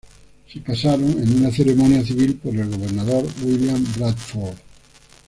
Se casaron en una ceremonia civil por el gobernador William Bradford.